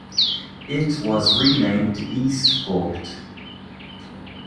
It was renamed Eastport.